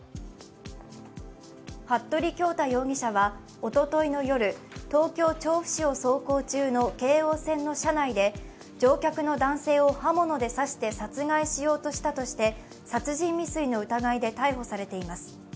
服部恭太容疑者はおとといの夜、東京・調布市を走行中の京王線の車内で乗客の男性を刃物で刺して殺害しようとしたとして殺人未遂の疑いで逮捕されています。